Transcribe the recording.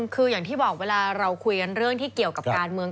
คืออย่างที่บอกเวลาเราคุยกันเรื่องที่เกี่ยวกับการเมือง